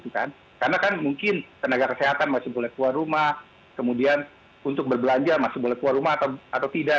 karena kan mungkin tenaga kesehatan masih boleh keluar rumah kemudian untuk berbelanja masih boleh keluar rumah atau tidak